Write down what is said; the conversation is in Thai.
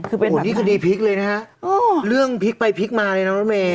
โหนี่คือดีพลิกเลยนะฮะเรื่องพลิกไปพลิกมาเลยนะโน้ทเมน